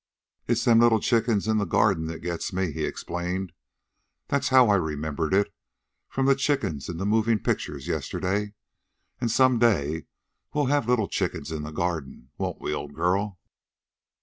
"It's them little chickens in the garden that gets me," he explained. "That's how I remembered it from the chickens in the movin' pictures yesterday. An' some day we'll have little chickens in the garden, won't we, old girl?"